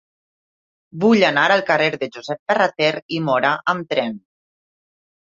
Vull anar al carrer de Josep Ferrater i Móra amb tren.